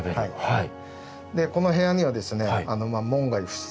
はい。